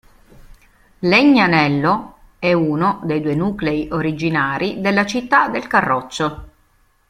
Legnanello è uno dei due nuclei originari della città del Carroccio.